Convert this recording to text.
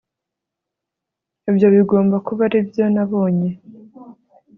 ibyo bigomba kuba aribyo nabonye